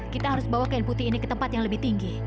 kita harus bawa kain putih ini ke tempat yang lebih tinggi